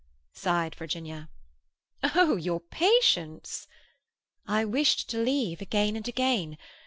sighed Virginia. "Oh, your patience!" "I wished to leave again and again.